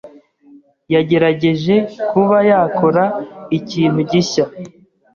yagerageje kuba yakora ikintu gishya